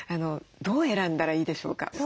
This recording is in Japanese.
どう選んだらいいでしょうか？